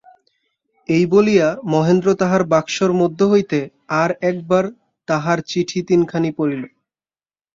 এই বলিয়া মহেন্দ্র তাহার বাক্সর মধ্য হইতে আর-একবার তাহার চিঠি তিনখানি পড়িল।